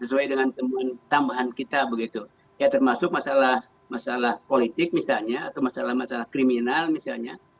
sesuai dengan temuan tambahan kita begitu ya termasuk masalah masalah politik misalnya atau masalah masalah kriminal misalnya